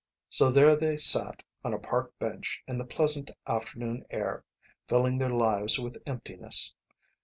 So there they sat on a park bench in the pleasant afternoon air, filling their lives with emptiness.